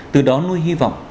từ đó nuôi hy vọng